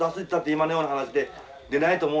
今のような話で出ないと思うので。